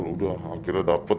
sudah akhirnya dapat